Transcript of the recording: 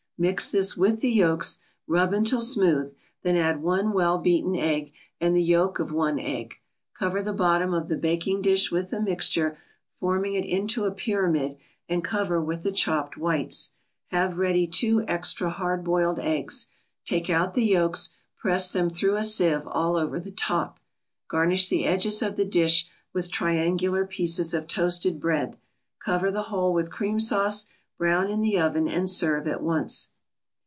Mix this with the yolks, rub until smooth, then add one well beaten egg, and the yolk of one egg. Cover the bottom of the baking dish with the mixture forming it in a pyramid and cover with the chopped whites. Have ready two extra hard boiled eggs, take out the yolks, press them through a sieve, all over the top. Garnish the edges of the dish with triangular pieces of toasted bread, cover the whole with cream sauce, brown in the oven, and serve at once.